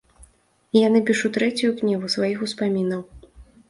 Я напішу трэцюю кнігу сваіх успамінаў.